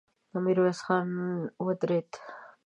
ميرويس خان ودرېد.